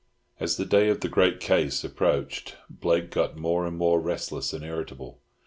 As the day of the great case approached Blake got more and more restless and irritable.